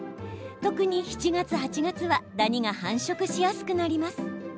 特に７月、８月はダニが繁殖しやすくなります。